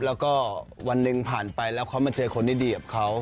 แล้วก็วันหนึ่งผ่านไปแล้วเขามาเจอคนดีกับเขา